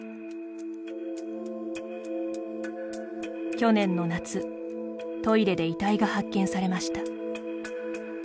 去年の夏トイレで遺体が発見されました。